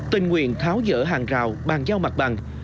tình nguyện tháo dỡ hàng rào bàn giao mặt bằng